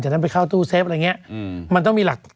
จากนั้นไปเข้าตู้เซฟอะไรอย่างนี้อืม